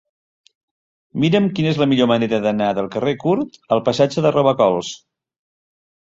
Mira'm quina és la millor manera d'anar del carrer Curt al passatge de Robacols.